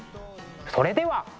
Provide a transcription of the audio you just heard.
それでは。